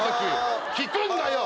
聞くんだよ！